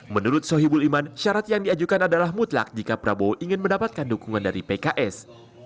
menurut sohibul iman syarat yang diajukan adalah mutlak jika prabowo ingin mendapatkan dukungan dari pks